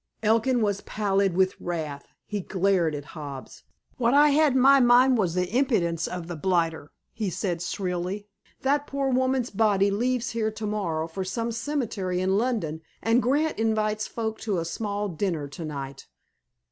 Elkin was pallid with wrath. He glared at Hobbs. "What I had in my mind was the impudence of the blighter," he said shrilly. "That poor woman's body leaves here to morrow for some cemetery in London, and Grant invites folk to a small dinner to night!"